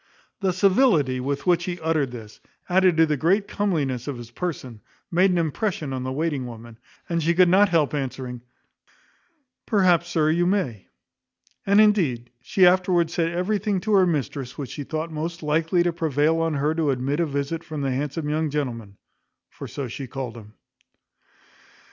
The civility with which he uttered this, added to the great comeliness of his person, made an impression on the waiting woman, and she could not help answering; "Perhaps, sir, you may;" and, indeed, she afterwards said everything to her mistress, which she thought most likely to prevail on her to admit a visit from the handsome young gentleman; for so she called him.